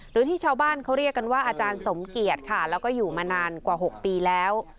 หรือที่ชาวบ้านเขาเรียกกันว่าอาจารย์สมเกียจค่ะแล้วก็อยู่มานานกว่า๖ปีแล้ว